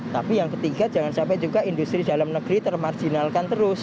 tapi yang ketiga jangan sampai juga industri dalam negeri termarjinalkan terus